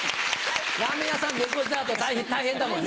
ラーメン屋さん猫舌だと大変だもんね。